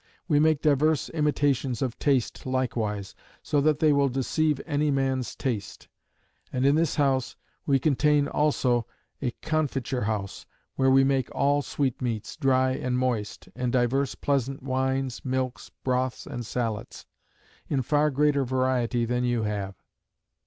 We make divers imitations of taste likewise, so that they will deceive any man's taste. And in this house we contain also a confiture house; where we make all sweet meats, dry and moist; and divers pleasant wines, milks, broths, and sallets; in far greater variety than you have.